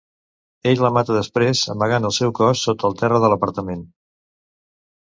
Ell la mata després amagant el seu cos sota el terra de l'apartament.